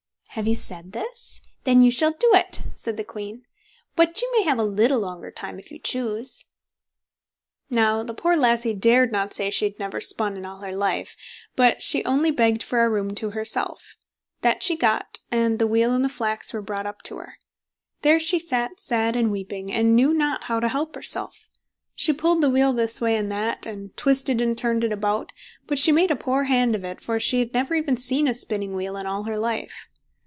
"Have you said this? then you shall do it", said the queen; "but you may have a little longer time if you choose." Now, the poor lassie dared not say she had never spun in all her life, but she only begged for a room to herself. That she got, and the wheel and the flax were brought up to her. There she sat sad and weeping, and knew not how to help herself. She pulled the wheel this way and that, and twisted and turned it about, but she made a poor hand of it, for she had never even seen a spinning wheel in her life.